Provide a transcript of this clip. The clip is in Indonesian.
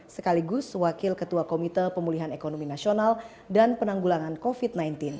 sekaligus wakil ketua komite pemulihan ekonomi nasional dan penanggulangan covid sembilan belas